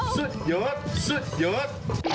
สุดยอดสุดยอด